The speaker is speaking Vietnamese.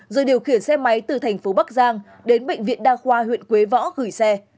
rồi điều khiển xe máy từ thành phố bắc giang đến bệnh viện đa khoa huyện quế võ gửi xe